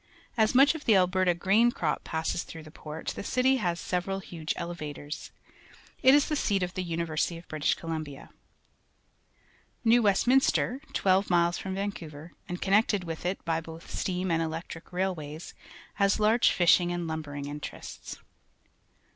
As much of the Alberta grain crop passes through the port, the city has several huge elevators. It is the seat of the University of British Columbia. New^Westminstcr, twelve miles from Van couver and connected with it bj' both steam and electric railways, has large fishing and lumbering interests.